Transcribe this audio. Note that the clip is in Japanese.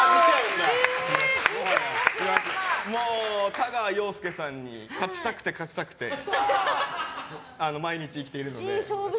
太川陽介さんに勝ちたくて勝ちたくて毎日生きているので。